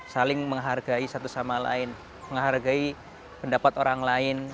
saling menghargai satu sama lain menghargai pendapat orang lain